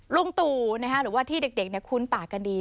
ลุงตู่หรือว่าที่เด็กคุ้นปากกันดี